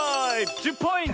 １０ポイント！